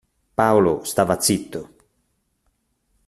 Paolo stava zitto.